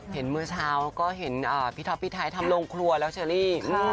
เมื่อเช้าก็เห็นพี่ท็อปพี่ไทยทำโรงครัวแล้วเชอรี่